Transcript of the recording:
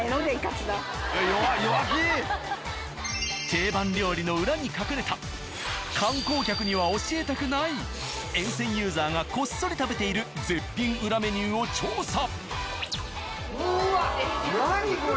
定番料理の裏に書かれた観光客には教えたくない沿線ユーザーがこっそり食べている絶品裏メニューを調査。